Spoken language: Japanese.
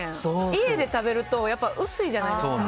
家で食べると薄いじゃないですか。